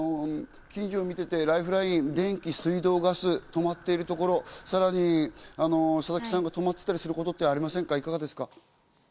近所を見ていてライフライン、電気、水道、ガスとまっているところ、さらに佐々木さんのところで止まっていたりすることはあるんですか？